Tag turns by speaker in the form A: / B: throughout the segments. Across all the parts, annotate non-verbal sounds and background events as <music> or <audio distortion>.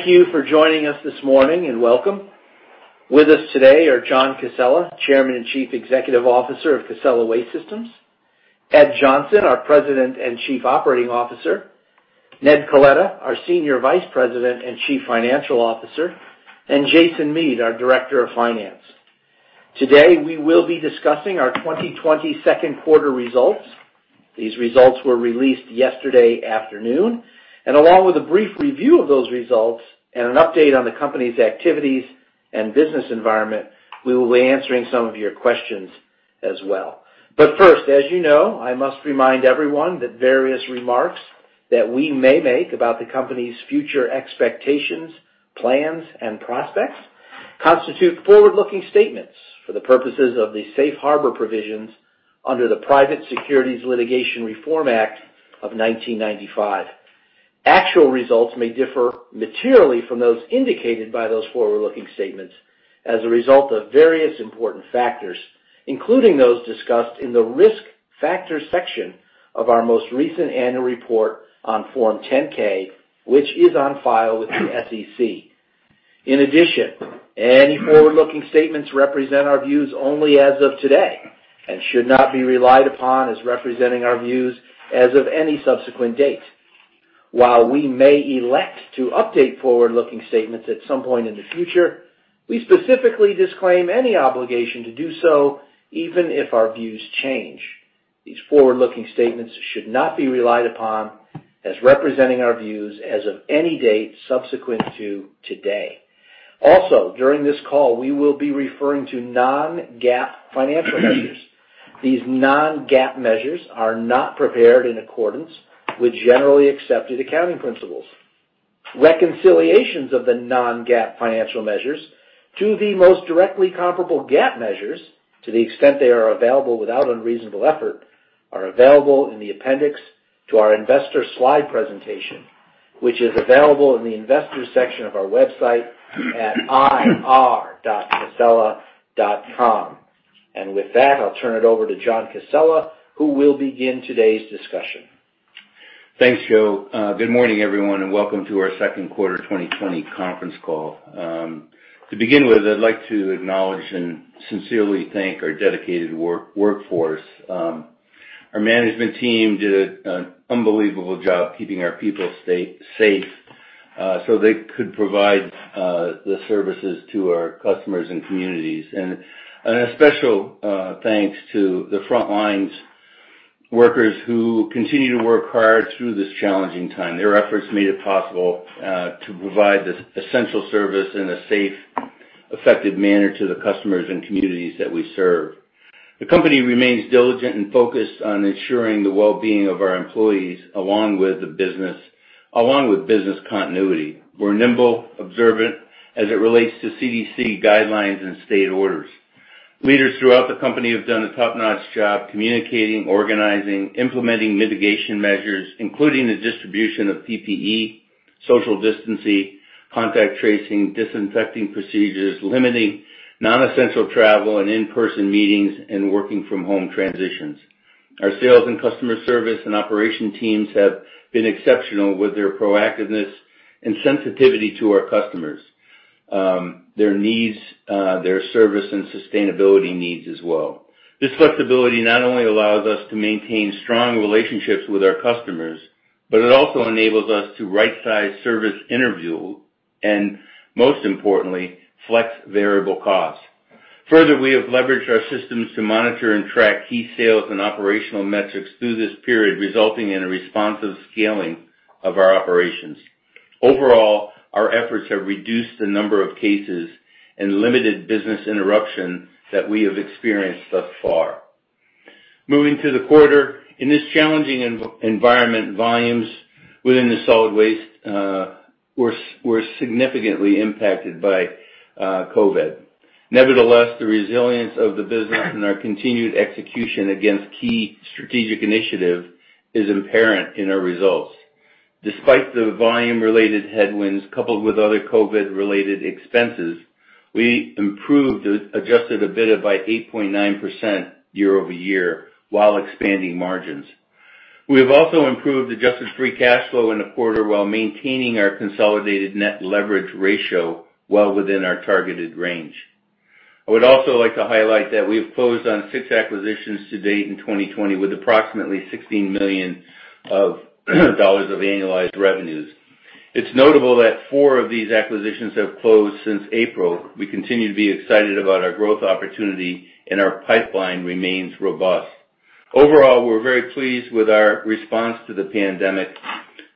A: Thank you for joining us this morning, and welcome. With us today are John Casella, Chairman and Chief Executive Officer of Casella Waste Systems, Ed Johnson, our President and Chief Operating Officer, Ned Coletta, our Senior Vice President and Chief Financial Officer, and Jason Mead, our Director of Finance. Today, we will be discussing our 2020 second quarter results. These results were released yesterday afternoon. Along with a brief review of those results and an update on the company's activities and business environment, we will be answering some of your questions as well. First, as you know, I must remind everyone that various remarks that we may make about the company's future expectations, plans, and prospects constitute forward-looking statements for the purposes of the safe harbor provisions under the Private Securities Litigation Reform Act of 1995. Actual results may differ materially from those indicated by those forward-looking statements as a result of various important factors, including those discussed in the Risk Factors section of our most recent annual report on Form 10-K, which is on file with the SEC. In addition, any forward-looking statements represent our views only as of today and should not be relied upon as representing our views as of any subsequent date. While we may elect to update forward-looking statements at some point in the future, we specifically disclaim any obligation to do so, even if our views change. These forward-looking statements should not be relied upon as representing our views as of any date subsequent to today. Also, during this call, we will be referring to non-GAAP financial measures. These non-GAAP measures are not prepared in accordance with Generally Accepted Accounting Principles. Reconciliations of the non-GAAP financial measures to the most directly comparable GAAP measures, to the extent they are available without unreasonable effort, are available in the appendix to our investor slide presentation, which is available in the Investors section of our website at ir.casella.com. With that, I'll turn it over to John Casella, who will begin today's discussion.
B: Thanks, Joe. Good morning, everyone, and welcome to our second quarter 2020 conference call. To begin with, I'd like to acknowledge and sincerely thank our dedicated workforce. Our management team did an unbelievable job keeping our people safe so they could provide the services to our customers and communities. A special thanks to the frontline workers who continue to work hard through this challenging time. Their efforts made it possible to provide this essential service in a safe, effective manner to the customers and communities that we serve. The company remains diligent and focused on ensuring the well-being of our employees, along with business continuity. We're nimble, observant as it relates to CDC guidelines and state orders. Leaders throughout the company have done a top-notch job communicating, organizing, implementing mitigation measures, including the distribution of PPE, social distancing, contact tracing, disinfecting procedures, limiting non-essential travel and in-person meetings, and working from home transitions. Our sales and customer service and operation teams have been exceptional with their proactiveness and sensitivity to our customers, their service, and sustainability needs as well. This flexibility not only allows us to maintain strong relationships with our customers, but it also enables us to right-size service intervals and, most importantly, flex variable costs. Further, we have leveraged our systems to monitor and track key sales and operational metrics through this period, resulting in a responsive scaling of our operations. Overall, our efforts have reduced the number of cases and limited business interruption that we have experienced thus far. Moving to the quarter, in this challenging environment, volumes within the solid waste were significantly impacted by COVID. Nevertheless, the resilience of the business and our continued execution against key strategic initiatives is apparent in our results. Despite the volume-related headwinds, coupled with other COVID-related expenses, we improved adjusted EBITDA by 8.9% year-over-year while expanding margins. We have also improved adjusted free cash flow in the quarter while maintaining our consolidated net leverage ratio well within our targeted range. I would also like to highlight that we have closed on six acquisitions to date in 2020, with approximately $16 million of annualized revenues. It's notable that four of these acquisitions have closed since April. We continue to be excited about our growth opportunity, and our pipeline remains robust. Overall, we're very pleased with our response to the pandemic.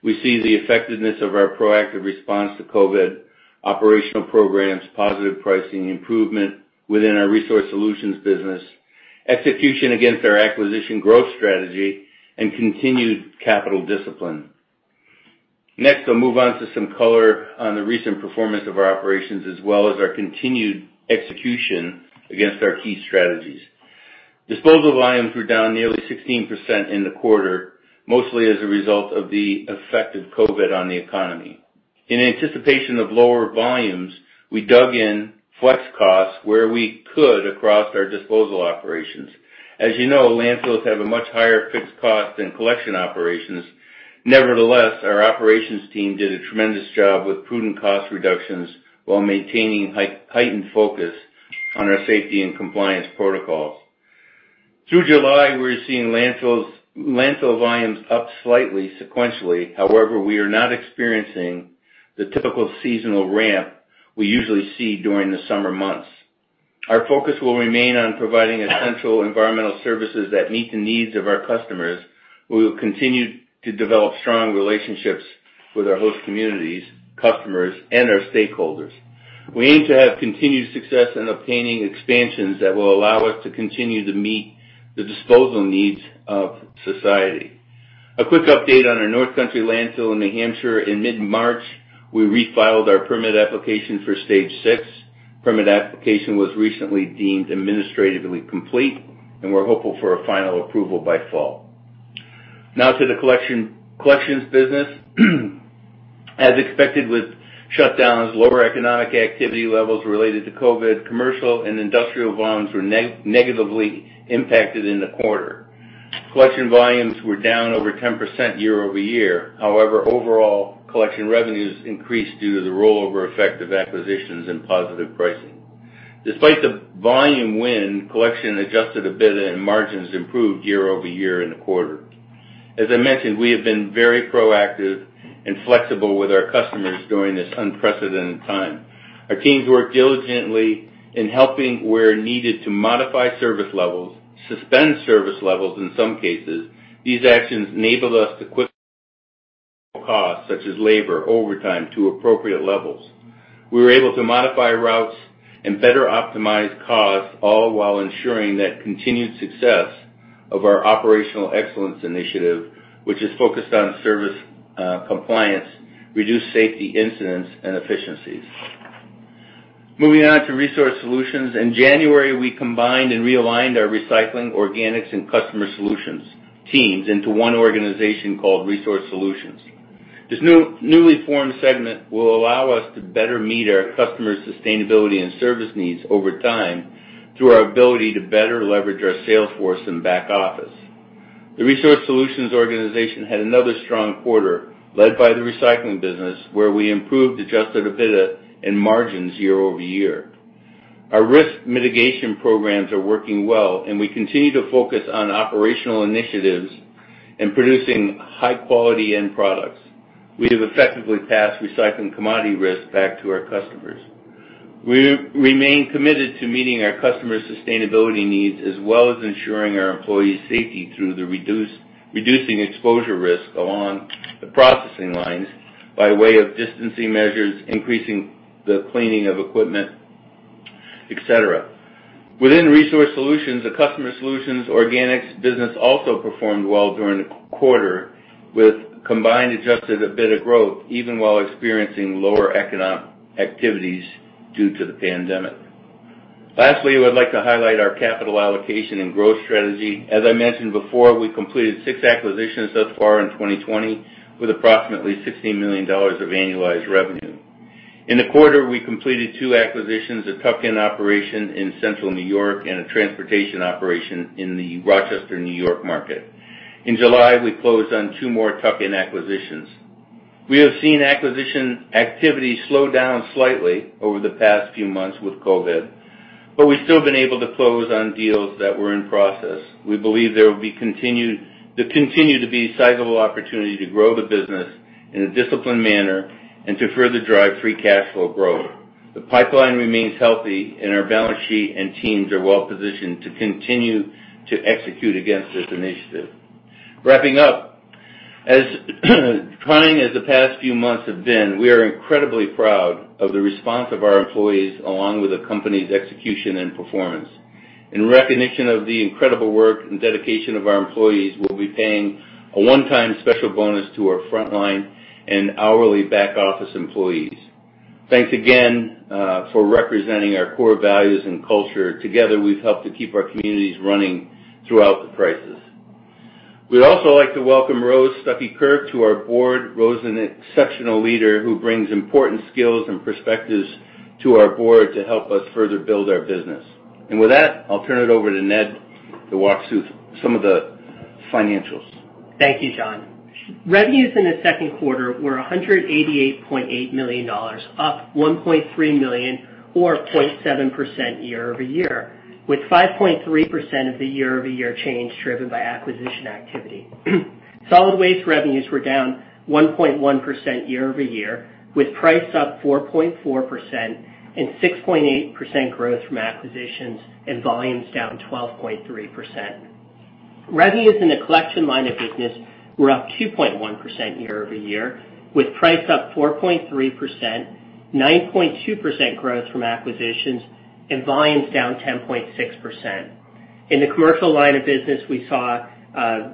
B: We see the effectiveness of our proactive response to COVID, operational programs, positive pricing improvement within our Resource Solutions business, execution against our acquisition growth strategy, and continued capital discipline. Next, I'll move on to some color on the recent performance of our operations as well as our continued execution against our key strategies. Disposal volumes were down nearly 16% in the quarter, mostly as a result of the effect of COVID on the economy. In anticipation of lower volumes, we dug in flex costs where we could across our disposal operations. As you know, landfills have a much higher fixed cost than collection operations. Nevertheless, our operations team did a tremendous job with prudent cost reductions while maintaining heightened focus on our safety and compliance protocols. Through July, we are seeing landfill volumes up slightly sequentially. We are not experiencing the typical seasonal ramp we usually see during the summer months. Our focus will remain on providing essential environmental services that meet the needs of our customers. We will continue to develop strong relationships with our host communities, customers, and our stakeholders. We aim to have continued success in obtaining expansions that will allow us to continue to meet the disposal needs of society. A quick update on our North Country Landfill in New Hampshire. In mid-March, we refiled our permit application for Stage VI. Permit application was recently deemed administratively complete, and we're hopeful for a final approval by fall. To the collections business. As expected, with shutdowns, lower economic activity levels related to COVID, commercial and industrial volumes were negatively impacted in the quarter. Collection volumes were down over 10% year-over-year. Overall collection revenues increased due to the rollover effect of acquisitions and positive pricing. Despite the volume headwind, collection adjusted EBITDA and margins improved year-over-year in the quarter. As I mentioned, we have been very proactive and flexible with our customers during this unprecedented time. Our teams work diligently in helping where needed to modify service levels, suspend service levels in some cases. These actions enabled us to quickly <audio distortion> costs such as labor, overtime, to appropriate levels. We were able to modify routes and better optimize costs, all while ensuring that continued success of our Operational Excellence Initiative, which is focused on service compliance, reduced safety incidents, and efficiencies. Moving on to Resource Solutions. In January, we combined and realigned our recycling, organics, and customer solutions teams into one organization called Resource Solutions. This newly formed segment will allow us to better meet our customers' sustainability and service needs over time through our ability to better leverage our sales force and back office. The Resource Solutions organization had another strong quarter led by the recycling business, where we improved adjusted EBITDA and margins year-over-year. Our risk mitigation programs are working well. We continue to focus on operational initiatives and producing high-quality end products. We have effectively passed recycling commodity risk back to our customers. We remain committed to meeting our customers' sustainability needs, as well as ensuring our employees' safety through the reducing exposure risk along the processing lines by way of distancing measures, increasing the cleaning of equipment, et cetera. Within Resource Solutions, the customer solutions organics business also performed well during the quarter, with combined adjusted EBITDA growth even while experiencing lower economic activities due to the pandemic. Lastly, we'd like to highlight our capital allocation and growth strategy. As I mentioned before, we completed six acquisitions so far in 2020 with approximately $16 million of annualized revenue. In the quarter, we completed two acquisitions, a tuck-in operation in central New York and a transportation operation in the Rochester, New York market. In July, we closed on two more tuck-in acquisitions. We have seen acquisition activity slow down slightly over the past few months with COVID, but we've still been able to close on deals that were in process. We believe there will continue to be sizable opportunity to grow the business in a disciplined manner and to further drive free cash flow growth. The pipeline remains healthy, and our balance sheet and teams are well-positioned to continue to execute against this initiative. Wrapping up. As trying as the past few months have been, we are incredibly proud of the response of our employees, along with the company's execution and performance. In recognition of the incredible work and dedication of our employees, we'll be paying a one-time special bonus to our frontline and hourly back-office employees. Thanks again for representing our core values and culture. Together, we've helped to keep our communities running throughout the crisis. We'd also like to welcome Rose Stuckey Kirk to our board. Rose is an exceptional leader who brings important skills and perspectives to our board to help us further build our business. With that, I'll turn it over to Ned to walk through some of the financials.
C: Thank you, John. Revenues in the second quarter were $188.8 million, up $1.3 million or 0.7% year-over-year, with 5.3% of the year-over-year change driven by acquisition activity. Solid waste revenues were down 1.1% year-over-year, with price up 4.4% and 6.8% growth from acquisitions and volumes down 12.3%. Revenues in the collection line of business were up 2.1% year-over-year, with price up 4.3%, 9.2% growth from acquisitions, and volumes down 10.6%. In the commercial line of business, we saw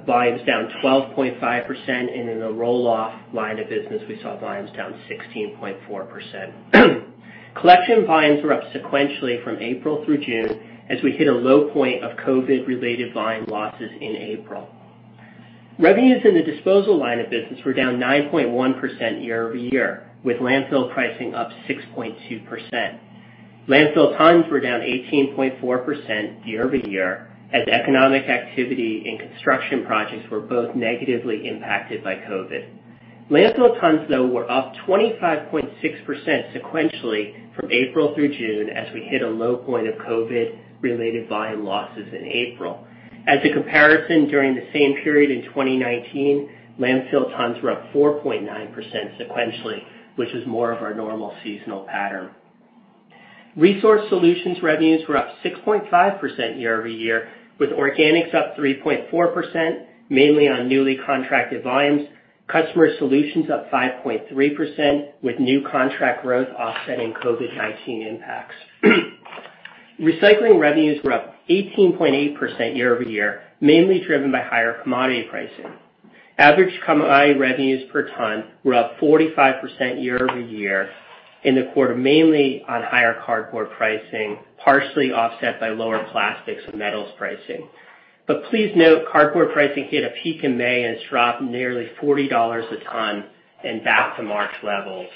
C: volumes down 12.5%, and in the roll-off line of business, we saw volumes down 16.4%. Collection volumes were up sequentially from April through June as we hit a low point of COVID-related volume losses in April. Revenues in the disposal line of business were down 9.1% year-over-year, with landfill pricing up 6.2%. Landfill tons were down 18.4% year-over-year as economic activity and construction projects were both negatively impacted by COVID. Landfill tons though were up 25.6% sequentially from April through June as we hit a low point of COVID-related volume losses in April. As a comparison, during the same period in 2019, landfill tons were up 4.9% sequentially, which is more of our normal seasonal pattern. Resource Solutions revenues were up 6.5% year-over-year, with organics up 3.4%, mainly on newly contracted volumes. Customer solutions up 5.3% with new contract growth offsetting COVID-19 impacts. Recycling revenues were up 18.8% year-over-year, mainly driven by higher commodity pricing. Average commodity revenues per ton were up 45% year-over-year in the quarter, mainly on higher cardboard pricing, partially offset by lower plastics and metals pricing. Please note, cardboard pricing hit a peak in May and has dropped nearly $40 a ton and back to March levels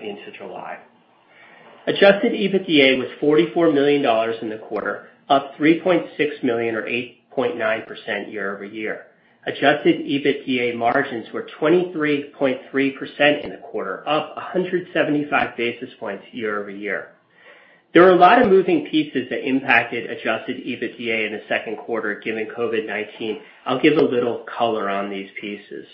C: into July. Adjusted EBITDA was $44 million in the quarter, up $3.6 million or 8.9% year-over-year. Adjusted EBITDA margins were 23.3% in the quarter, up 175 basis points year-over-year. There were a lot of moving pieces that impacted Adjusted EBITDA in the second quarter, given COVID-19. I'll give a little color on these pieces.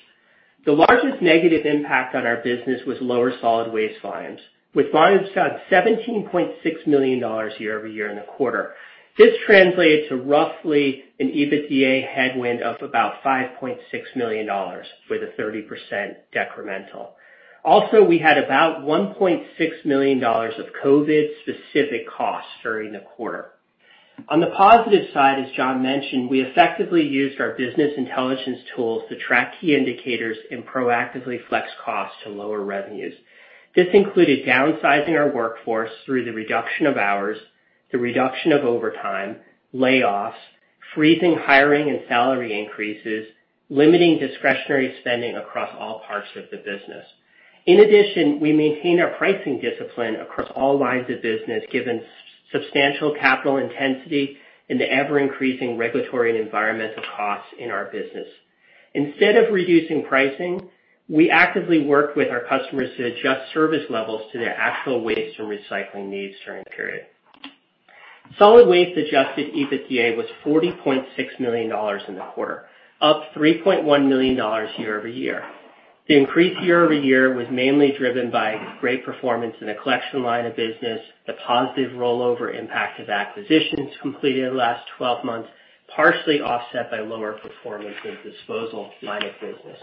C: The largest negative impact on our business was lower solid waste volumes, with volumes down $17.6 million year-over-year in the quarter. This translates to roughly an EBITDA headwind of about $5.6 million with a 30% decremental. We had about $1.6 million of COVID-specific costs during the quarter. On the positive side, as John mentioned, we effectively used our business intelligence tools to track key indicators and proactively flex costs to lower revenues. This included downsizing our workforce through the reduction of hours, the reduction of overtime, layoffs, freezing hiring and salary increases, limiting discretionary spending across all parts of the business. We maintain our pricing discipline across all lines of business, given substantial capital intensity and the ever-increasing regulatory and environmental costs in our business. Instead of reducing pricing, we actively worked with our customers to adjust service levels to their actual waste and recycling needs during the period. Solid waste adjusted EBITDA was $40.6 million in the quarter, up $3.1 million year-over-year. The increase year-over-year was mainly driven by great performance in the collection line of business, the positive rollover impact of acquisitions completed in the last 12 months, partially offset by lower performance in disposal line of business.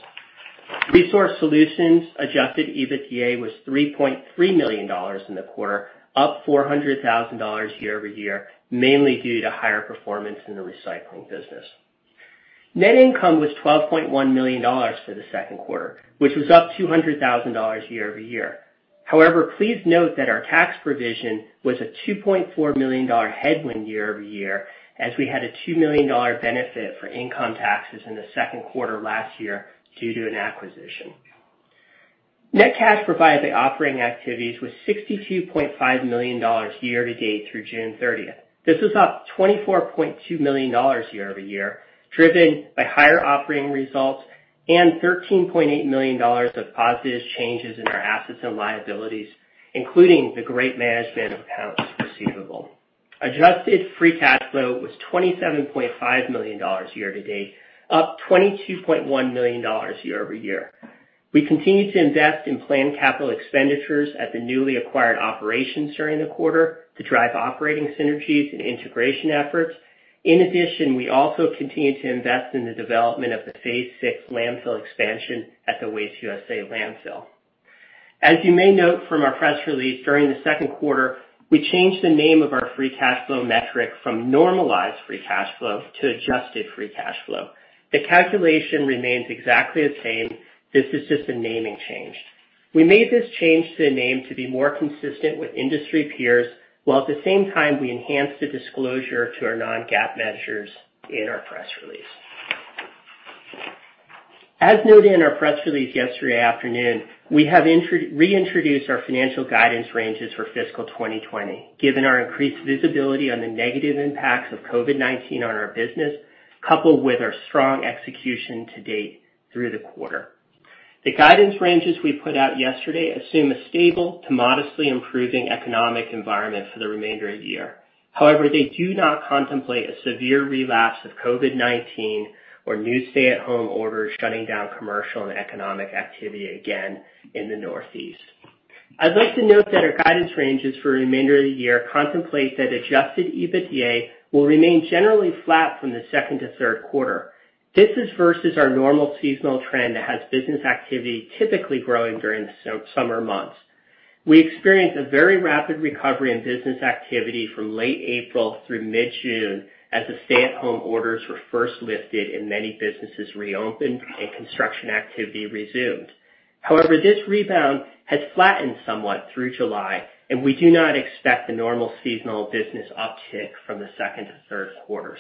C: Resource Solutions adjusted EBITDA was $3.3 million in the quarter, up $400,000 year-over-year, mainly due to higher performance in the recycling business. Net income was $12.1 million for the second quarter, which was up $200,000 year-over-year. However, please note that our tax provision was a $2.4 million headwind year-over-year, as we had a $2 million benefit for income taxes in the second quarter last year due to an acquisition. Net cash provided by operating activities was $62.5 million year to date through June 30th. This is up $24.2 million year-over-year, driven by higher operating results and $13.8 million of positive changes in our assets and liabilities, including the great management of accounts receivable. adjusted free cash flow was $27.5 million year to date, up $22.1 million year-over-year. We continued to invest in planned capital expenditures at the newly acquired operations during the quarter to drive operating synergies and integration efforts. In addition, we also continued to invest in the development of the Phase Six landfill expansion at the Waste USA Landfill. As you may note from our press release, during the second quarter, we changed the name of our free cash flow metric from normalized free cash flow to adjusted free cash flow. The calculation remains exactly the same. This is just a naming change. We made this change to the name to be more consistent with industry peers, while at the same time, we enhanced the disclosure to our non-GAAP measures in our press release. As noted in our press release yesterday afternoon, we have reintroduced our financial guidance ranges for fiscal 2020, given our increased visibility on the negative impacts of COVID-19 on our business, coupled with our strong execution to date through the quarter. The guidance ranges we put out yesterday assume a stable to modestly improving economic environment for the remainder of the year. They do not contemplate a severe relapse of COVID-19 or new stay-at-home orders shutting down commercial and economic activity again in the Northeast. I'd like to note that our guidance ranges for the remainder of the year contemplate that adjusted EBITDA will remain generally flat from the second to third quarter. This is versus our normal seasonal trend that has business activity typically growing during the summer months. We experienced a very rapid recovery in business activity from late April through mid-June as the stay-at-home orders were first lifted and many businesses reopened and construction activity resumed. However, this rebound has flattened somewhat through July, and we do not expect the normal seasonal business uptick from the second to third quarters.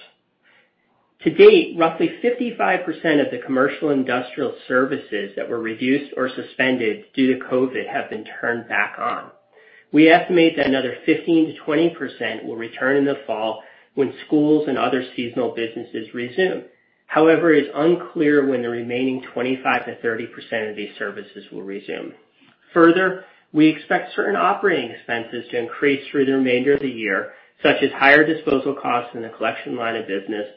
C: To date, roughly 55% of the commercial industrial services that were reduced or suspended due to COVID have been turned back on. We estimate that another 15% to 20% will return in the fall when schools and other seasonal businesses resume. However, it is unclear when the remaining 25% to 30% of these services will resume. We expect certain operating expenses to increase through the remainder of the year, such as higher disposal costs in the collection line of business,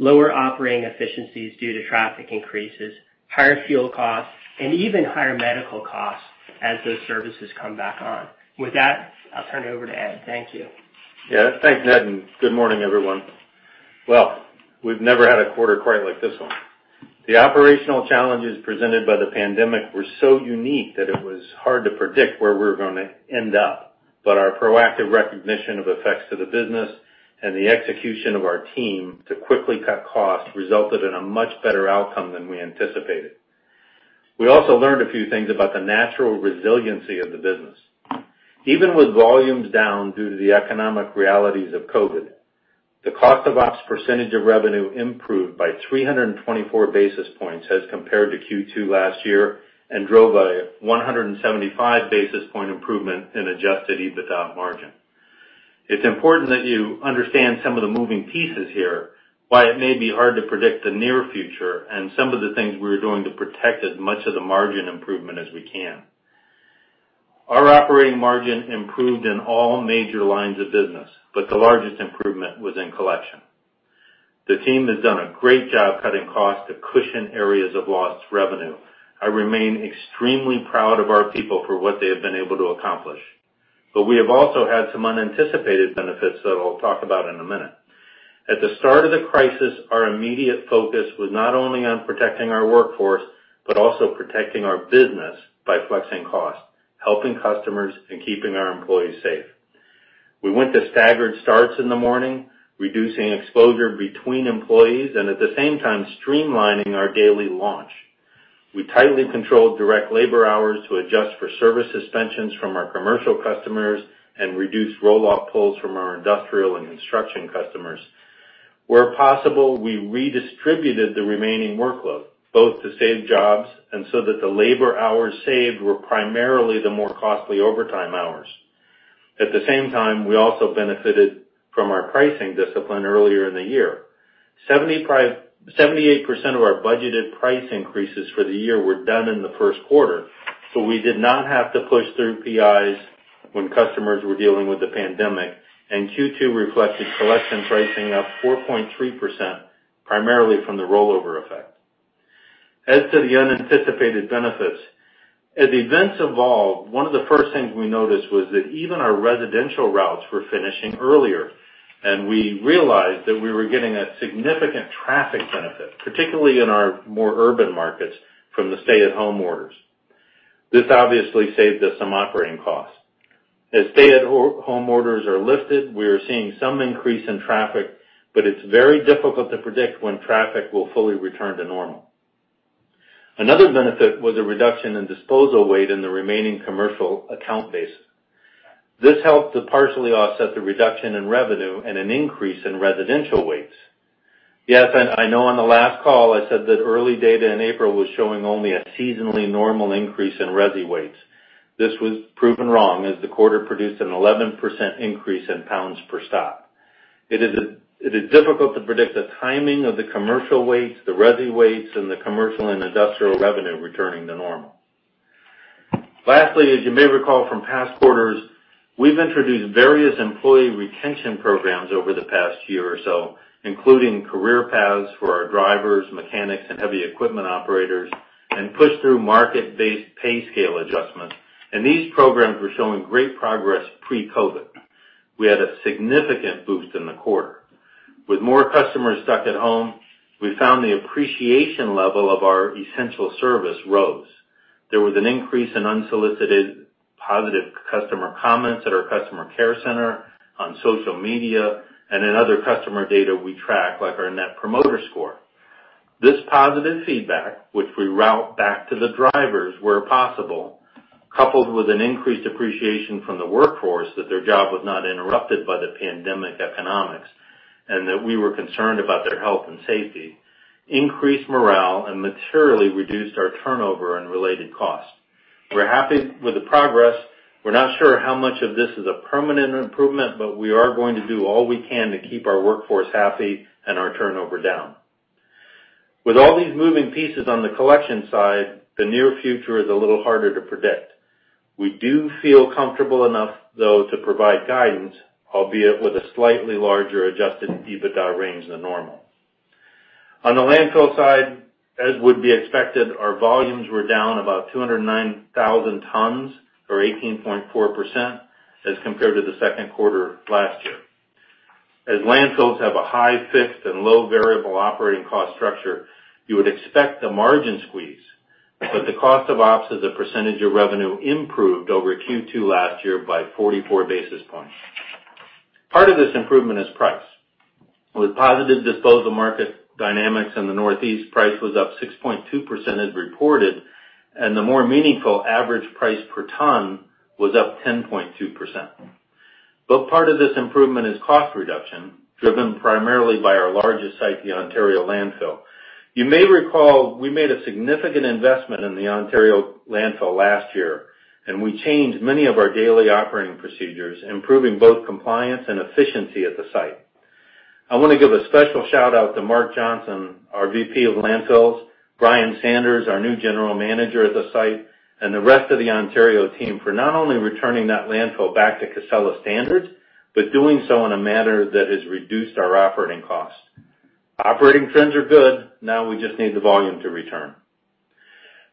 C: lower operating efficiencies due to traffic increases, higher fuel costs, and even higher medical costs as those services come back on. With that, I'll turn it over to Ed. Thank you.
D: Yeah. Thanks, Ned, and good morning, everyone. Well, we've never had a quarter quite like this one. The operational challenges presented by the pandemic were so unique that it was hard to predict where we were going to end up, but our proactive recognition of effects to the business and the execution of our team to quickly cut costs resulted in a much better outcome than we anticipated. We also learned a few things about the natural resiliency of the business. Even with volumes down due to the economic realities of COVID, the cost of ops percentage of revenue improved by 324 basis points as compared to Q2 last year, and drove a 175 basis point improvement in adjusted EBITDA margin. It's important that you understand some of the moving pieces here, why it may be hard to predict the near future, and some of the things we're doing to protect as much of the margin improvement as we can. Our operating margin improved in all major lines of business, but the largest improvement was in collection. The team has done a great job cutting costs to cushion areas of lost revenue. I remain extremely proud of our people for what they have been able to accomplish, but we have also had some unanticipated benefits that I'll talk about in a minute. At the start of the crisis, our immediate focus was not only on protecting our workforce, but also protecting our business by flexing costs, helping customers, and keeping our employees safe. We went to staggered starts in the morning, reducing exposure between employees and at the same time streamlining our daily launch. We tightly controlled direct labor hours to adjust for service suspensions from our commercial customers and reduced roll-off pulls from our industrial and construction customers. Where possible, we redistributed the remaining workload, both to save jobs and so that the labor hours saved were primarily the more costly overtime hours. At the same time, we also benefited from our pricing discipline earlier in the year. 78% of our budgeted price increases for the year were done in the first quarter, so we did not have to push through PIs when customers were dealing with the pandemic, and Q2 reflected collection pricing up 4.3%, primarily from the rollover effect. As to the unanticipated benefits, as events evolved, one of the first things we noticed was that even our residential routes were finishing earlier, and we realized that we were getting a significant traffic benefit, particularly in our more urban markets, from the stay-at-home orders. This obviously saved us some operating costs. As stay-at-home orders are lifted, we are seeing some increase in traffic, but it's very difficult to predict when traffic will fully return to normal. Another benefit was a reduction in disposal weight in the remaining commercial account base. This helped to partially offset the reduction in revenue and an increase in residential weights. Yes, I know on the last call I said that early data in April was showing only a seasonally normal increase in resi weights. This was proven wrong as the quarter produced an 11% increase in pounds per stop. It is difficult to predict the timing of the commercial weights, the resi weights, and the commercial and industrial revenue returning to normal. Lastly, as you may recall from past quarters, we've introduced various employee retention programs over the past year or so, including career paths for our drivers, mechanics, and heavy equipment operators, and pushed through market-based pay scale adjustments, and these programs were showing great progress pre-COVID. We had a significant boost in the quarter. With more customers stuck at home, we found the appreciation level of our essential service rose. There was an increase in unsolicited positive customer comments at our customer care center, on social media, and in other customer data we track, like our Net Promoter Score. This positive feedback, which we route back to the drivers where possible, coupled with an increased appreciation from the workforce that their job was not interrupted by the pandemic economics and that we were concerned about their health and safety, increased morale and materially reduced our turnover and related costs. We're happy with the progress. We're not sure how much of this is a permanent improvement, but we are going to do all we can to keep our workforce happy and our turnover down. With all these moving pieces on the collection side, the near future is a little harder to predict. We do feel comfortable enough, though, to provide guidance, albeit with a slightly larger adjusted EBITDA range than normal. On the landfill side, as would be expected, our volumes were down about 209,000 tons or 18.4% as compared to the second quarter last year. As landfills have a high fixed and low variable operating cost structure, you would expect a margin squeeze, but the cost of ops as a percentage of revenue improved over Q2 last year by 44 basis points. Part of this improvement is price. With positive disposal market dynamics in the Northeast, price was up 6.2% as reported, and the more meaningful average price per ton was up 10.2%. Part of this improvement is cost reduction, driven primarily by our largest site, the Ontario Landfill. You may recall we made a significant investment in the Ontario Landfill last year, and we changed many of our daily operating procedures, improving both compliance and efficiency at the site. I want to give a special shout-out to Mark Johnson, our VP of Landfills, Brian Sanders, our new General Manager at the site, and the rest of the Ontario team for not only returning that landfill back to Casella standards, but doing so in a manner that has reduced our operating costs. Operating trends are good. We just need the volume to return.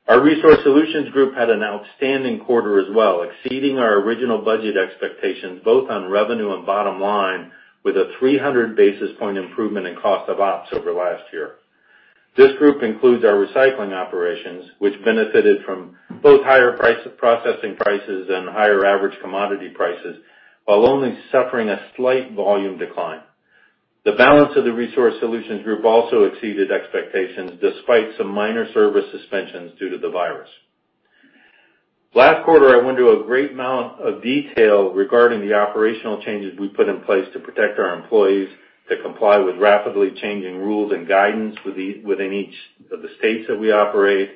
D: Our Resource Solutions Group had an outstanding quarter as well, exceeding our original budget expectations, both on revenue and bottom line, with a 300 basis point improvement in cost of ops over last year. This group includes our recycling operations, which benefited from both higher processing prices and higher average commodity prices, while only suffering a slight volume decline. The balance of the Resource Solutions Group also exceeded expectations, despite some minor service suspensions due to the virus. Last quarter, I went into a great amount of detail regarding the operational changes we put in place to protect our employees, to comply with rapidly changing rules and guidance within each of the states that we operate,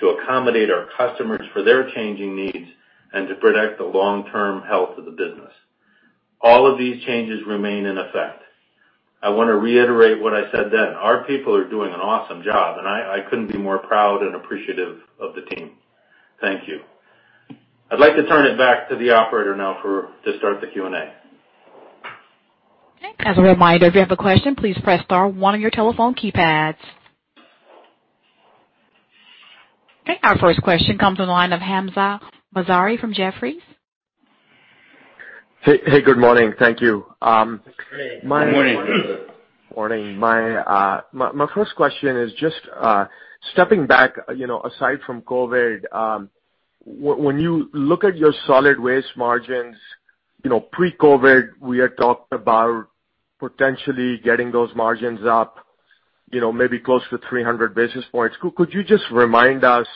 D: to accommodate our customers for their changing needs, and to protect the long-term health of the business. All of these changes remain in effect. I want to reiterate what I said then. Our people are doing an awesome job, and I couldn't be more proud and appreciative of the team. Thank you. I'd like to turn it back to the operator now to start the Q&A.
E: Okay. As a reminder, if you have a question, please press star one on your telephone keypads. Okay. Our first question comes from the line of Hamzah Mazari from Jefferies.
F: Hey, good morning. Thank you.
D: Good morning.
F: Morning. My first question is just stepping back, aside from COVID, when you look at your solid waste margins, pre-COVID, we had talked about potentially getting those margins up maybe close to 300 basis points. Could you just remind us,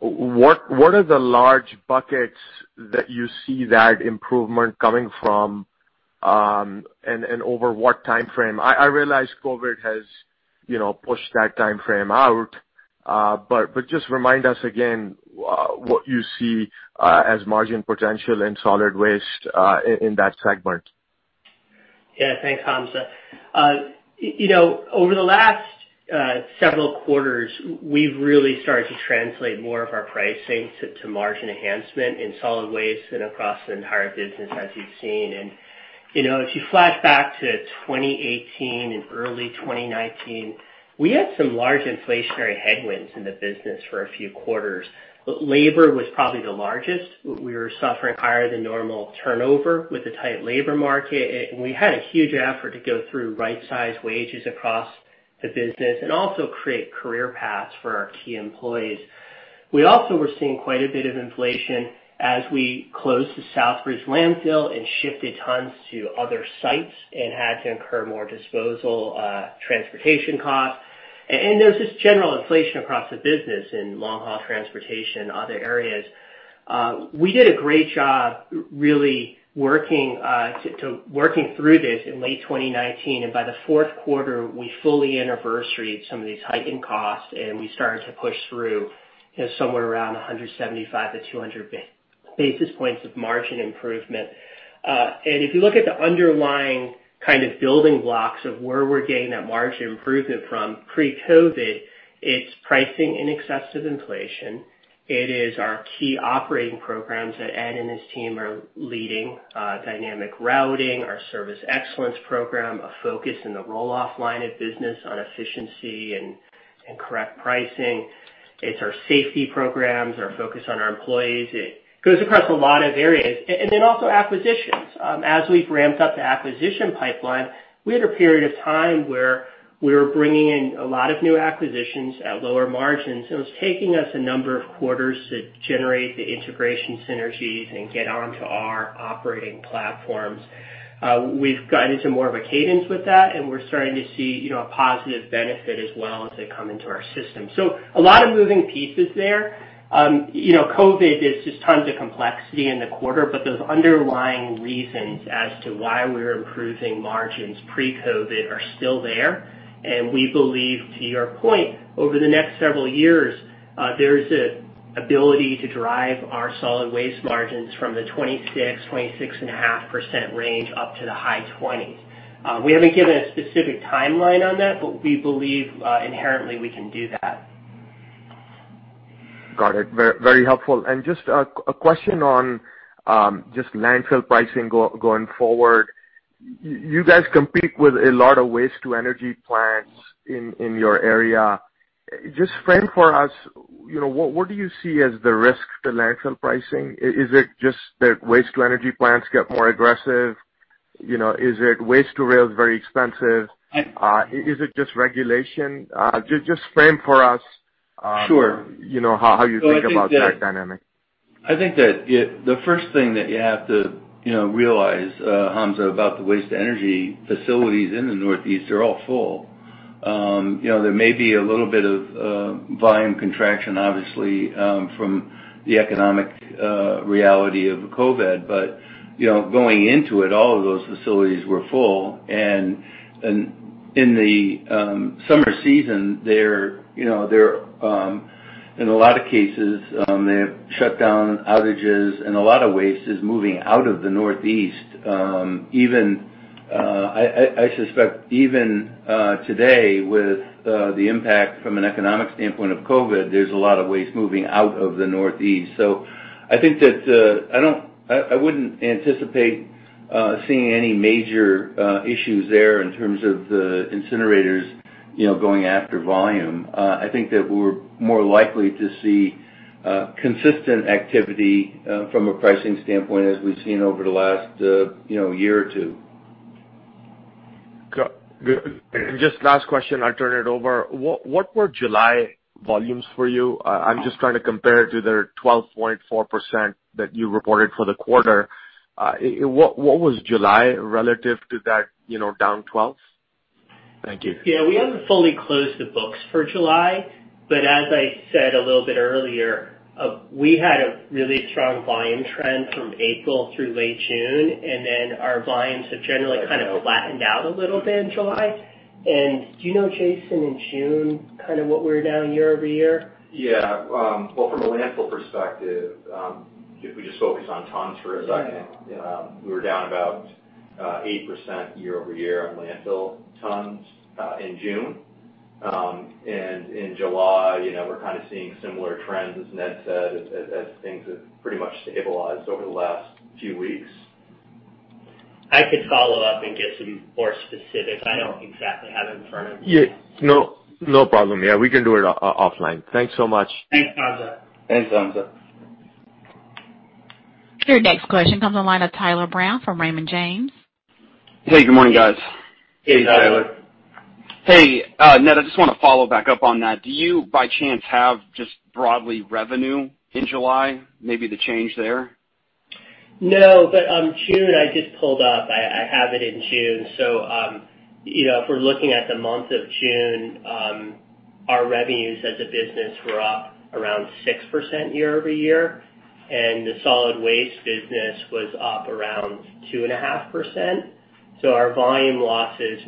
F: what are the large buckets that you see that improvement coming from, and over what timeframe? I realize COVID has pushed that timeframe out, but just remind us again what you see as margin potential in solid waste in that segment.
C: Yeah. Thanks, Hamzah. Over the last several quarters, we've really started to translate more of our pricing to margin enhancement in solid waste and across the entire business as you've seen. If you flash back to 2018 and early 2019, we had some large inflationary headwinds in the business for a few quarters, but labor was probably the largest. We were suffering higher than normal turnover with the tight labor market, and we had a huge effort to go through right-size wages across the business and also create career paths for our key employees. We also were seeing quite a bit of inflation as we closed the Southbridge Landfill and shifted tons to other sites and had to incur more disposal transportation costs. There was just general inflation across the business in long-haul transportation and other areas. We did a great job really working through this in late 2019, by the fourth quarter, we fully anniversaried some of these heightened costs, and we started to push through somewhere around 175 to 200 basis points of margin improvement. If you look at the underlying kind of building blocks of where we're getting that margin improvement from pre-COVID, it's pricing in excessive inflation. It is our key operating programs that Ed and his team are leading, dynamic routing, our Service Excellence Program, a focus in the roll-off line of business on efficiency and correct pricing. It's our safety programs, our focus on our employees. It goes across a lot of areas. Then also acquisitions. As we've ramped up the acquisition pipeline, we had a period of time where we were bringing in a lot of new acquisitions at lower margins, and it was taking us a number of quarters to generate the integration synergies and get onto our operating platforms. We've gotten into more of a cadence with that, and we're starting to see a positive benefit as well as they come into our system. A lot of moving pieces there. COVID is just tons of complexity in the quarter, but those underlying reasons as to why we're improving margins pre-COVID are still there. We believe, to your point, over the next several years, there is an ability to drive our solid waste margins from the 26%, 26 and a half percent range up to the high 20s. We haven't given a specific timeline on that, but we believe inherently we can do that.
F: Got it. Very helpful. Just a question on just landfill pricing going forward. You guys compete with a lot of waste-to-energy plants in your area. Just frame for us, what do you see as the risk to landfill pricing? Is it just that waste-to-energy plants get more aggressive? Is it waste-to-rail is very expensive?
B: I-
F: Is it just regulation? Just frame for us.
D: Sure
F: how you think about that dynamic.
B: I think that the first thing that you have to realize, Hamzah, about the waste-to-energy facilities in the Northeast, they're all full. There may be a little bit of volume contraction, obviously, from the economic reality of COVID. Going into it, all of those facilities were full. In the summer season, in a lot of cases, they have shut down outages and a lot of waste is moving out of the Northeast. I suspect even today with the impact from an economic standpoint of COVID, there's a lot of waste moving out of the Northeast. I think that I wouldn't anticipate seeing any major issues there in terms of the incinerators going after volume. I think that we're more likely to see consistent activity from a pricing standpoint as we've seen over the last year or two.
F: Good. Just last question, I will turn it over. What were July volumes for you? I am just trying to compare it to their 12.4% that you reported for the quarter. What was July relative to that, down 12%? Thank you.
C: Yeah. We haven't fully closed the books for July, but as I said a little bit earlier, we had a really strong volume trend from April through late June, then our volumes have generally kind of flattened out a little bit in July. Do you know, Jason, in June, kind of what we were down year-over-year?
G: Yeah. From a landfill perspective, if we just focus on tons for a second.
C: Yeah
G: we were down about 8% year-over-year on landfill tons, in June. In July, we're kind of seeing similar trends as Ned said, as things have pretty much stabilized over the last few weeks.
C: I could follow up and get some more specifics. I don't exactly have it in front of me.
F: Yeah. No problem. Yeah. We can do it offline. Thanks so much.
C: Thanks, Hamza.
G: Thanks, Hamza.
E: Your next question comes on the line of Tyler Brown from Raymond James.
H: Hey, good morning, guys.
G: Hey, Tyler.
C: Hey.
H: Hey, Ned, I just want to follow back up on that. Do you by chance have just broadly revenue in July? Maybe the change there?
C: June I just pulled up. I have it in June. If we're looking at the month of June, our revenues as a business were up around 6% year-over-year, and the solid waste business was up around 2.5%. Our volume losses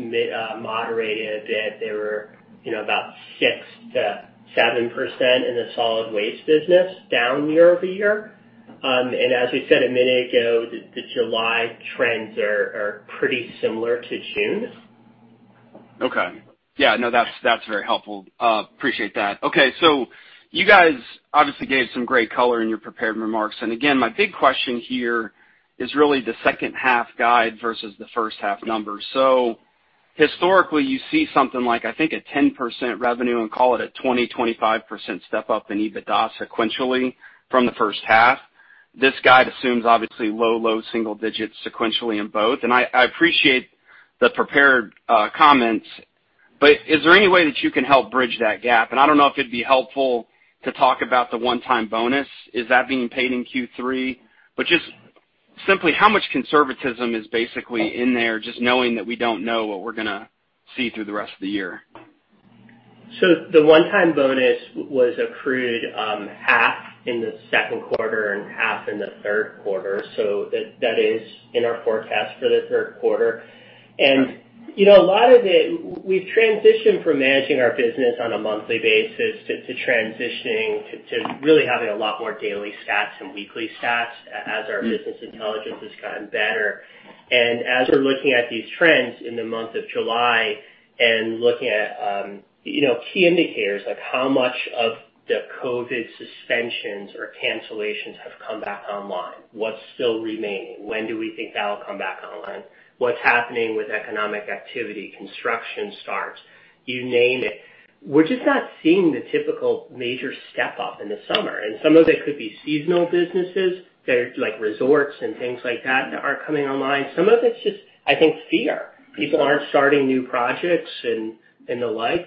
C: moderated a bit. They were about 6%-7% in the solid waste business down year-over-year. As we said a minute ago, the July trends are pretty similar to June's.
H: Okay. Yeah, no, that's very helpful. Appreciate that. Okay, you guys obviously gave some great color in your prepared remarks. Again, my big question here is really the second half guide versus the first half numbers. Historically, you see something like I think a 10% revenue and call it a 20%, 25% step up in EBITDA sequentially from the first half. This guide assumes obviously low single digits sequentially in both. I appreciate the prepared comments, but is there any way that you can help bridge that gap? I don't know if it'd be helpful to talk about the one-time bonus. Is that being paid in Q3? Just simply how much conservatism is basically in there, just knowing that we don't know what we're going to see through the rest of the year?
C: The one-time bonus was accrued half in the second quarter and half in the third quarter, so that is in our forecast for the third quarter.
H: Okay.
C: A lot of it, we've transitioned from managing our business on a monthly basis to transitioning to really having a lot more daily stats and weekly stats as our business intelligence has gotten better. As we're looking at these trends in the month of July and looking at key indicators, like how much of the COVID suspensions or cancellations have come back online, what's still remaining? When do we think that'll come back online? What's happening with economic activity, construction starts? You name it. We're just not seeing the typical major step up in the summer. Some of it could be seasonal businesses that are, like resorts and things like that aren't coming online. Some of it's just, I think, fear. People aren't starting new projects and the like.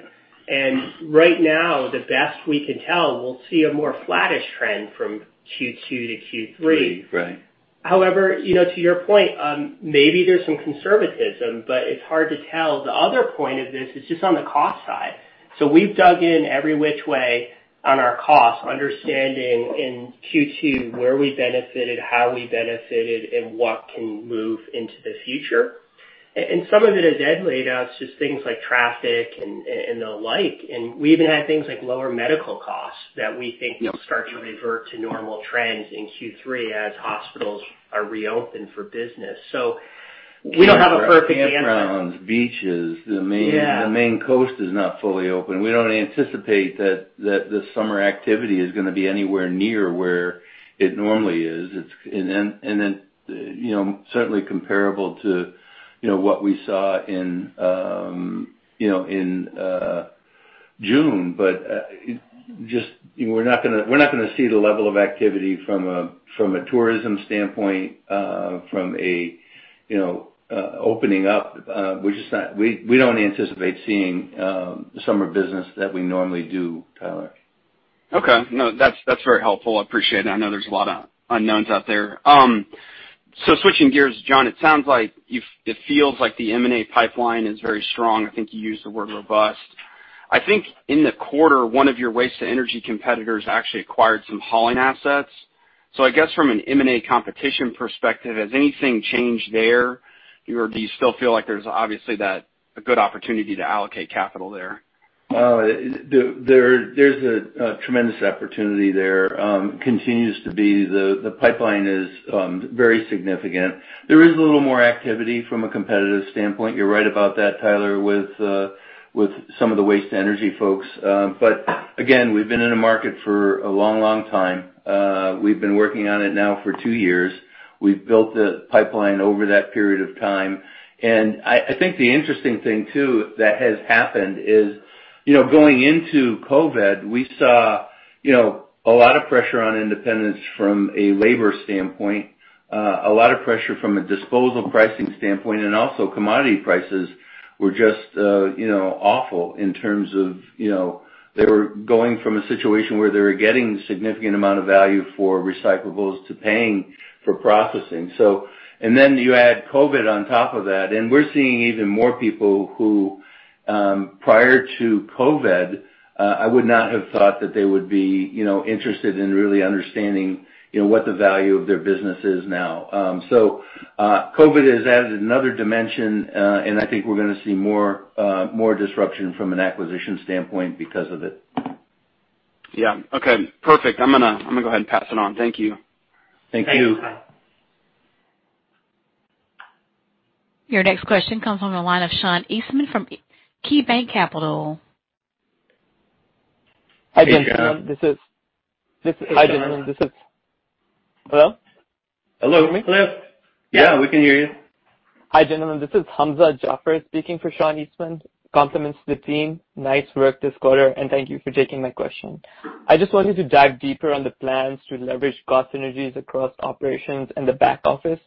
C: Right now, the best we can tell, we'll see a more flattish trend from Q2 to Q3.
H: Q3, right.
C: However, to your point, maybe there's some conservatism, but it's hard to tell. The other point of this is just on the cost side. We've dug in every which way on our costs, understanding in Q2 where we benefited, how we benefited, and what can move into the future. Some of it, as Ed laid out, is just things like traffic and the like. We even had things like lower medical costs that we think will start to revert to normal trends in Q3 as hospitals are reopened for business. We don't have a perfect answer.
B: Campgrounds, beaches.
C: Yeah.
B: The Maine coast is not fully open. We don't anticipate that the summer activity is going to be anywhere near where it normally is. Certainly comparable to what we saw in June. We're not going to see the level of activity from a tourism standpoint, from a opening up. We don't anticipate seeing the summer business that we normally do, Tyler.
H: Okay. No, that's very helpful. I appreciate it. I know there's a lot of unknowns out there. Switching gears, John, it sounds like it feels like the M&A pipeline is very strong. I think you used the word robust. I think in the quarter, one of your waste-to-energy competitors actually acquired some hauling assets. I guess from an M&A competition perspective, has anything changed there? Or do you still feel like there's obviously a good opportunity to allocate capital there?
B: There's a tremendous opportunity there. Continues to be. The pipeline is very significant. There is a little more activity from a competitive standpoint. You're right about that, Tyler, with some of the waste-to-energy folks. Again, we've been in the market for a long time. We've been working on it now for two years. We've built the pipeline over that period of time. I think the interesting thing too, that has happened is, going into COVID, we saw a lot of pressure on independents from a labor standpoint, a lot of pressure from a disposal pricing standpoint, also commodity prices were just awful in terms of they were going from a situation where they were getting significant amount of value for recyclables to paying for processing. Then you add COVID on top of that, and we're seeing even more people who, prior to COVID, I would not have thought that they would be interested in really understanding what the value of their business is now. COVID has added another dimension, and I think we're going to see more disruption from an acquisition standpoint because of it.
H: Yeah. Okay, perfect. I'm going to go ahead and pass it on. Thank you.
B: Thank you.
C: Thanks, Tyler.
E: Your next question comes from the line of Sean Eastman from KeyBanc Capital.
B: Hey, John.
I: Hi, gentlemen. This is Hello?
B: Hello. Can you hear me?
I: Hello.
B: Yeah, we can hear you.
I: Hi, gentlemen. This is Hamza Jaffer speaking for Sean Eastman. Compliments to the team. Nice work this quarter, and thank you for taking my question. I just wanted to dive deeper on the plans to leverage cost synergies across operations in the back office.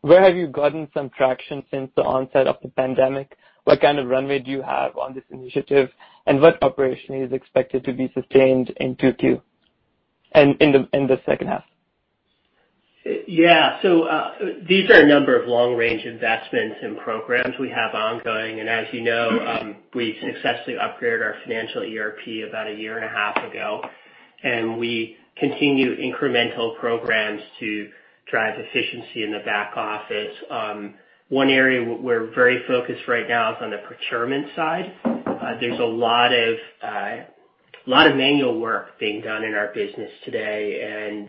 I: Where have you gotten some traction since the onset of the pandemic? What kind of runway do you have on this initiative? What operation is expected to be sustained in 2Q and in the second half?
C: Yeah. These are a number of long-range investments and programs we have ongoing. As you know, we successfully upgraded our financial ERP about a year and a half ago, and we continue incremental programs to drive efficiency in the back office. One area we're very focused right now is on the procurement side. There's a lot of manual work being done in our business today, and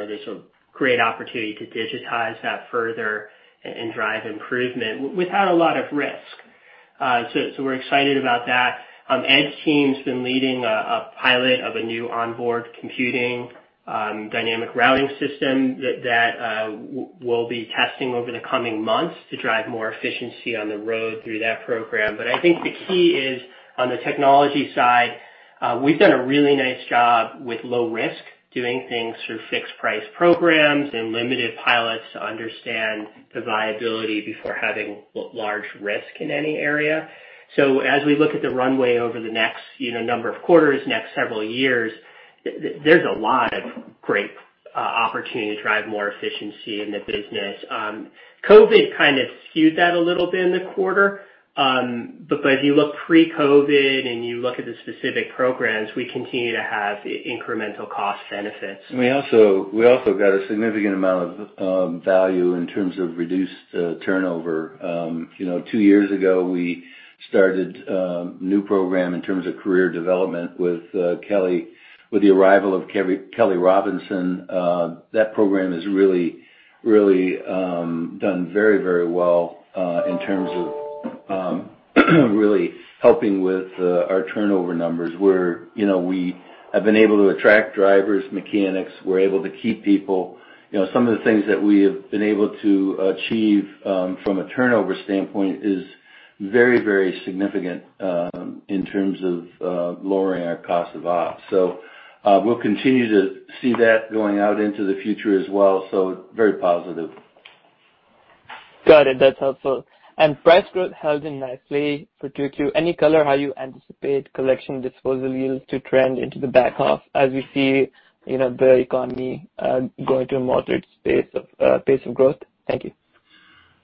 C: there's a great opportunity to digitize that further and drive improvement without a lot of risk. We're excited about that. Ed's team's been leading a pilot of a new onboard computing dynamic routing system that we'll be testing over the coming months to drive more efficiency on the road through that program. I think the key is on the technology side. We've done a really nice job with low risk, doing things through fixed price programs and limited pilots to understand the viability before having large risk in any area. As we look at the runway over the next number of quarters, next several years, there's a lot of great opportunity to drive more efficiency in the business. COVID kind of skewed that a little bit in the quarter. If you look pre-COVID, and you look at the specific programs, we continue to have incremental cost benefits.
B: We also got a significant amount of value in terms of reduced turnover. Two years ago, we started a new program in terms of career development with the arrival of Kelley Robinson. That program has really done very well, in terms of really helping with our turnover numbers, where we have been able to attract drivers, mechanics. We're able to keep people. Some of the things that we have been able to achieve, from a turnover standpoint, is very significant, in terms of lowering our cost of operations. We'll continue to see that going out into the future as well. Very positive.
I: Got it. That's helpful. Price growth held in nicely for 2Q. Any color how you anticipate collection disposal yields to trend into the back half as we see the economy going to a moderate pace of growth? Thank you.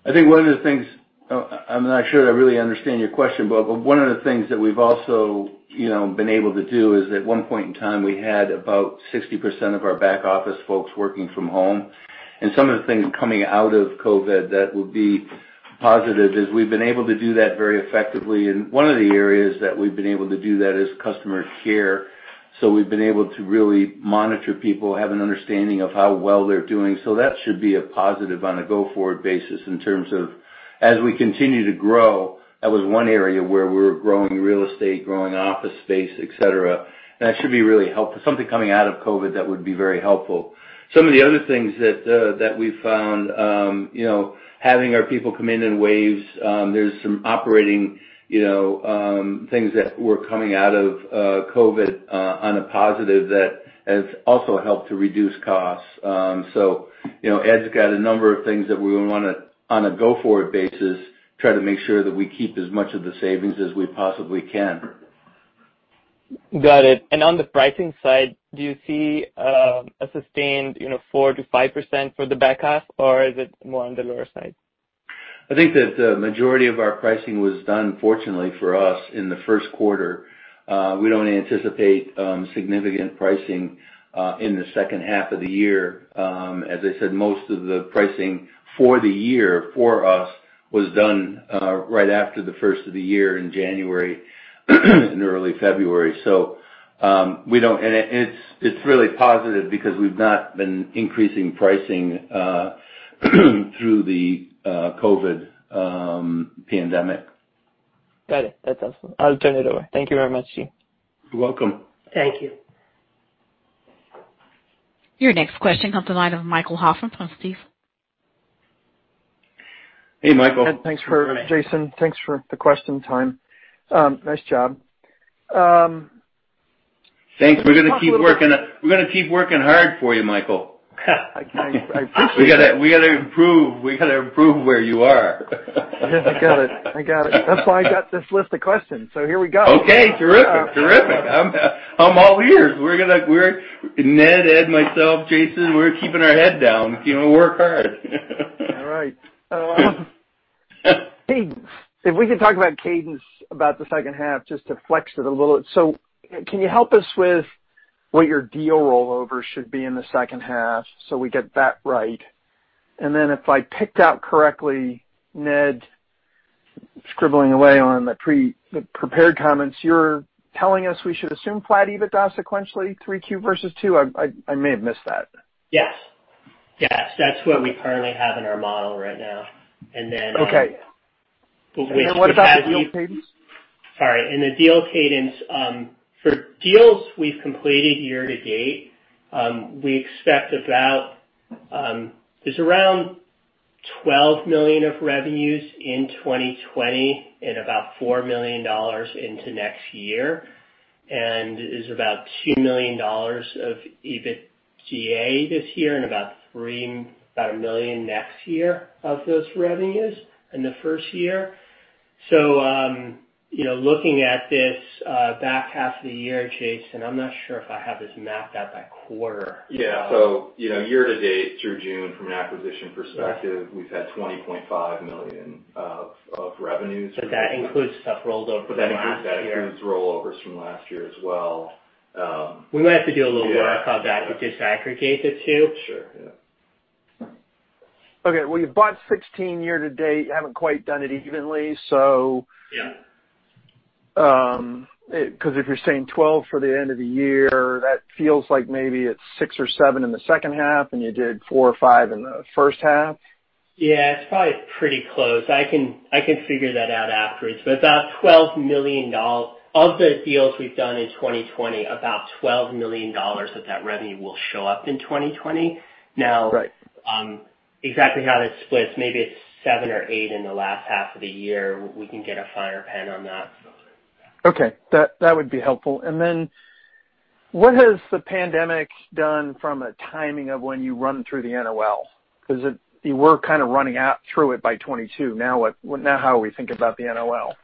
B: I think one of the things I'm not sure I really understand your question, but one of the things that we've also been able to do is, at one point in time, we had about 60% of our back office folks working from home. Some of the things coming out of COVID that will be positive is we've been able to do that very effectively, and one of the areas that we've been able to do that is customer care. We've been able to really monitor people, have an understanding of how well they're doing. That should be a positive on a go-forward basis in terms of as we continue to grow, that was one area where we were growing real estate, growing office space, et cetera, and that should be really helpful. Something coming out of COVID that would be very helpful. Some of the other things that we've found, having our people come in in waves. There's some operating things that were coming out of COVID on a positive. It's also helped to reduce costs. Ed's got a number of things that we want to, on a go-forward basis, try to make sure that we keep as much of the savings as we possibly can.
I: Got it. On the pricing side, do you see a sustained 4%-5% for the back half, or is it more on the lower side?
B: I think that the majority of our pricing was done, fortunately for us, in the first quarter. We don't anticipate significant pricing in the second half of the year. As I said, most of the pricing for the year for us was done right after the first of the year in January and early February. It's really positive because we've not been increasing pricing through the COVID pandemic.
I: Got it. That's helpful. I'll turn it over. Thank you very much.
B: You're welcome.
C: Thank you.
E: Your next question comes the line of Michael Hoffman from Stifel.
B: Hey, Michael.
J: Jason, thanks for the question time. Nice job.
B: Thanks. We're going to keep working hard for you, Michael.
J: I appreciate that.
B: We got to improve where you are.
J: I got it. That's why I got this list of questions. Here we go.
B: Okay. Terrific. I'm all ears. Ned, Ed, myself, Jason, we're keeping our head down, working hard.
J: All right. If we could talk about cadence about the second half, just to flex it a little. Can you help us with what your deal rollover should be in the second half so we get that right? If I picked out correctly, Ned scribbling away on the prepared comments, you're telling us we should assume flat EBITDA sequentially 3Q versus 2, I may have missed that.
C: Yes. That's what we currently have in our model right now.
J: Okay. What about the deal cadence?
C: Sorry. The deal cadence, for deals we've completed year to date, there's around $12 million of revenues in 2020 and about $4 million into next year, and is about $2 million of EBITDA this year and about $1 million next year of those revenues in the first year. Looking at this back half of the year, Jason, I'm not sure if I have this mapped out by quarter.
G: Year to date through June, from an acquisition perspective, we've had $20.5 million of revenues.
C: That includes stuff rolled over from last year.
G: That includes rollovers from last year as well.
C: We might have to do a little work on that to disaggregate the two.
G: Sure, yeah.
J: Okay. Well, you've bought 16 year to date. You haven't quite done it evenly.
C: Yeah.
J: If you're saying 12 for the end of the year, that feels like maybe it's 6 or 7 in the second half, and you did 4 or 5 in the first half.
C: Yeah. It's probably pretty close. I can figure that out afterwards. About $12 million of the deals we've done in 2020, about $12 million of that revenue will show up in 2020.
J: Right
C: exactly how this splits, maybe it's seven or eight in the last half of the year. We can get a finer pen on that.
J: Okay. That would be helpful. Then what has the pandemic done from a timing of when you run through the NOL? Because you were kind of running out through it by 2022. Now how are we thinking about the NOL?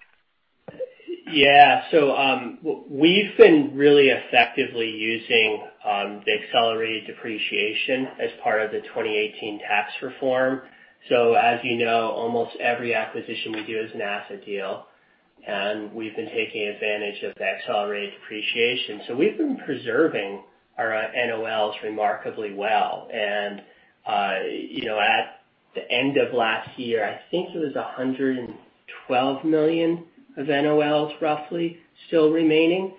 C: We've been really effectively using the accelerated depreciation as part of the 2018 tax reform. As you know, almost every acquisition we do is an asset deal, and we've been taking advantage of the accelerated depreciation. We've been preserving our NOLs remarkably well. At the end of last year, I think it was $112 million of NOLs roughly still remaining.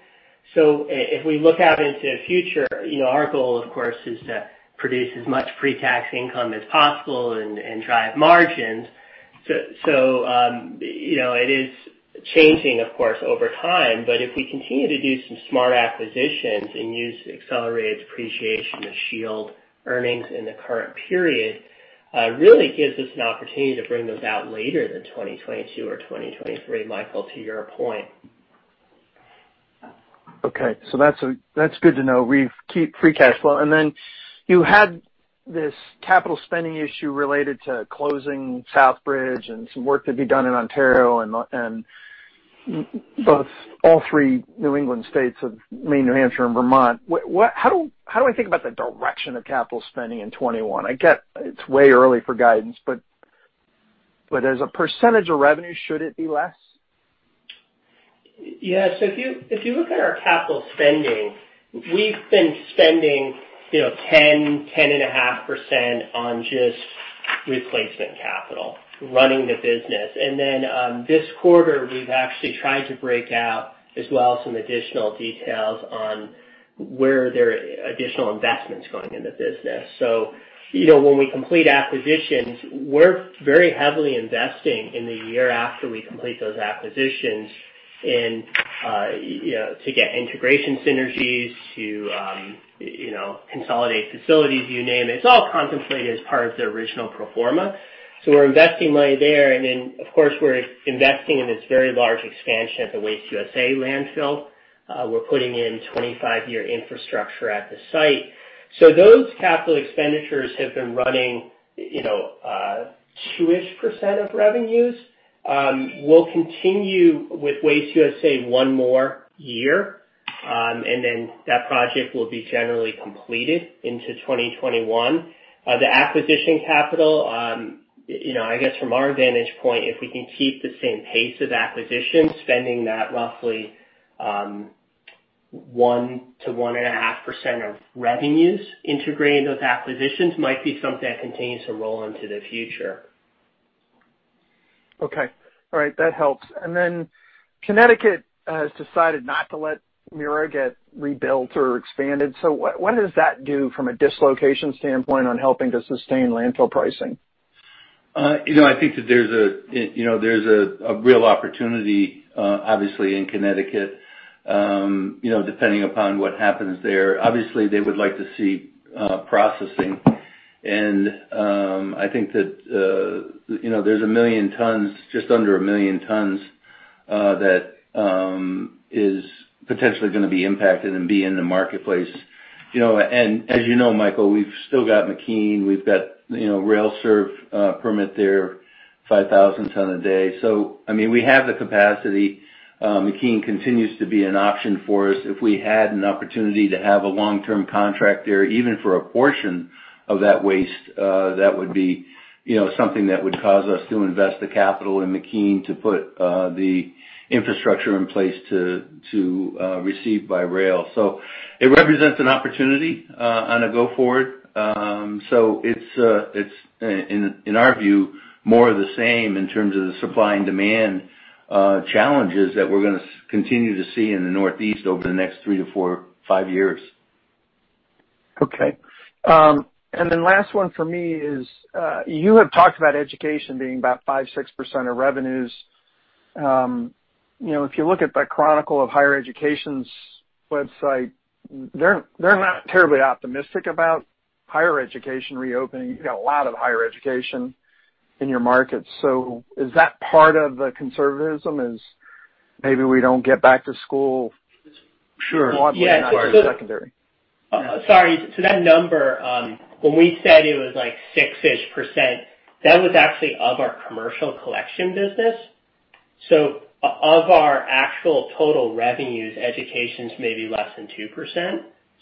C: If we look out into the future, our goal, of course, is to produce as much pre-tax income as possible and drive margins. It is changing, of course, over time, but if we continue to do some smart acquisitions and use accelerated depreciation to shield earnings in the current period, really gives us an opportunity to bring those out later than 2022 or 2023, Michael, to your point.
J: Okay. That's good to know. We keep free cash flow. Then you had this capital spending issue related to closing Southbridge and some work to be done in Ontario and both all three New England states of Maine, New Hampshire, and Vermont. How do I think about the direction of capital spending in 2021? I get it's way early for guidance, but as a percentage of revenue, should it be less?
C: Yeah. If you look at our capital spending, we've been spending 10.5% on just replacement capital, running the business. This quarter, we've actually tried to break out as well some additional details on where there are additional investments going in the business. When we complete acquisitions, we're very heavily investing in the year after we complete those acquisitions to get integration synergies, to consolidate facilities, you name it. It's all contemplated as part of the original pro forma. We're investing money there, and then, of course, we're investing in this very large expansion at the Waste USA landfill. We're putting in 25-year infrastructure at the site. Those capital expenditures have been running, a 2-ish% of revenues. We'll continue with Waste USA one more year, and then that project will be generally completed into 2021. The acquisition capital, I guess from our vantage point, if we can keep the same pace of acquisitions, spending that roughly 1%-1.5% of revenues integrating those acquisitions might be something that continues to roll into the future.
J: Okay. All right. That helps. Connecticut has decided not to let MIRA get rebuilt or expanded. What does that do from a dislocation standpoint on helping to sustain landfill pricing?
B: I think that there's a real opportunity, obviously, in Connecticut, depending upon what happens there. Obviously, they would like to see processing. I think that there's 1 million tons, just under 1 million tons, that is potentially going to be impacted and be in the marketplace. As you know, Michael, we've still got McKean. We've got rail serve permit there, 5,000 tons a day. We have the capacity. McKean continues to be an option for us. If we had an opportunity to have a long-term contract there, even for a portion of that waste, that would be something that would cause us to invest the capital in McKean to put the infrastructure in place to receive by rail. It represents an opportunity on a go-forward. It's, in our view, more of the same in terms of the supply and demand challenges that we're going to continue to see in the Northeast over the next three to four, five years.
J: Okay. Last one for me is, you have talked about education being about 5%-6% of revenues. If you look at The Chronicle of Higher Education's website, they're not terribly optimistic about higher education reopening. You've got a lot of higher education in your markets. Is that part of the conservatism is maybe we don't get back to school?
B: Sure
J: broadly in secondary?
C: Sorry. That number, when we said it was like six-ish %, that was actually of our commercial collection business. Of our actual total revenues, education's maybe less than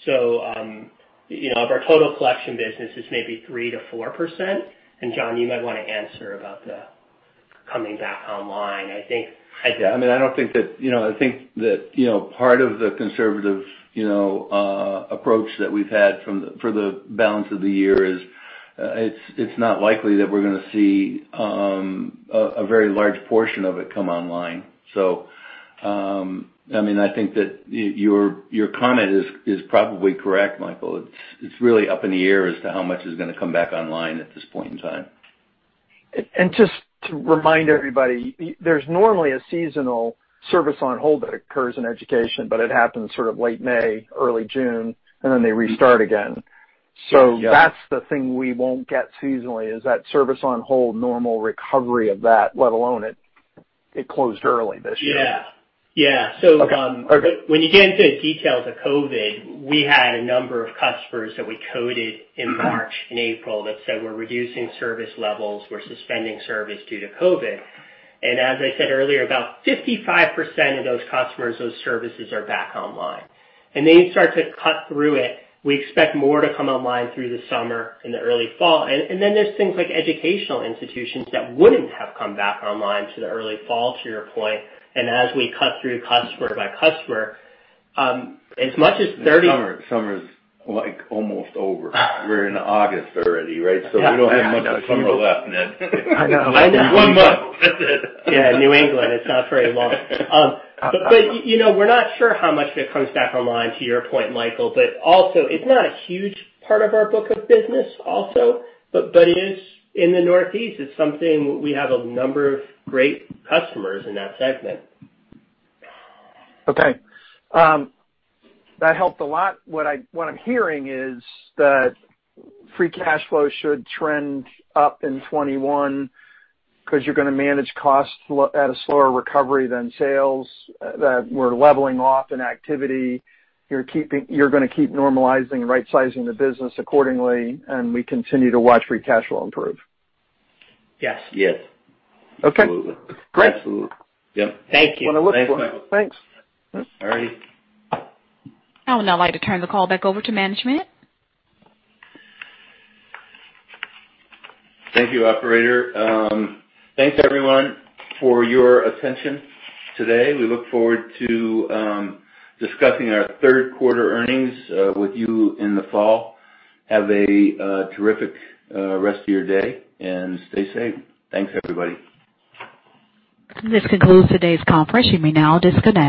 C: 2%. Of our total collection business, it's maybe 3%-4%. John, you might want to answer about the coming back online.
B: Yeah, I think that part of the conservative approach that we've had for the balance of the year is, it's not likely that we're going to see a very large portion of it come online. I think that your comment is probably correct, Michael. It's really up in the air as to how much is going to come back online at this point in time.
J: Just to remind everybody, there's normally a seasonal service on hold that occurs in education, but it happens sort of late May, early June, and then they restart again.
B: Yes.
J: That's the thing we won't get seasonally is that service on hold, normal recovery of that, let alone it closed early this year.
C: Yeah.
J: Okay, perfect.
C: When you get into the details of COVID, we had a number of customers that we coded in March and April that said we're reducing service levels, we're suspending service due to COVID. As I said earlier, about 55% of those customers, those services are back online. You start to cut through it, we expect more to come online through the summer and the early fall. There's things like educational institutions that wouldn't have come back online till the early fall, to your point. As we cut through customer by customer, as much as 30-
B: Summer is like almost over. We're in August already, right? We don't have much of summer left, Ned.
J: I know.
B: One month. That's it.
C: Yeah, New England, it's not very long. We're not sure how much of it comes back online, to your point, Michael. Also, it's not a huge part of our book of business also, but it is in the Northeast. It's something we have a number of great customers in that segment.
J: Okay. That helped a lot. What I'm hearing is that free cash flow should trend up in 2021 because you're going to manage costs at a slower recovery than sales, that we're leveling off in activity. You're going to keep normalizing and rightsizing the business accordingly. We continue to watch free cash flow improve.
C: Yes.
B: Yes.
J: Okay.
B: Absolutely.
J: Great.
B: Yep.
J: Thank you.
B: Thanks, Michael.
J: Thanks.
B: All righty.
E: I would now like to turn the call back over to management.
B: Thank you, operator. Thanks, everyone, for your attention today. We look forward to discussing our third-quarter earnings with you in the fall. Have a terrific rest of your day, and stay safe. Thanks, everybody.
E: This concludes today's conference. You may now disconnect.